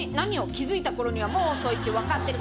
「気づいた頃にはもう遅いって分かってる」